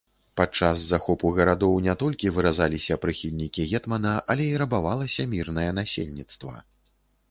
Падчас захопу гарадоў не толькі выразаліся прыхільнікі гетмана, але і рабавалася мірнае насельніцтва.